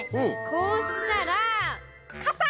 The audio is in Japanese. こうしたらかさ！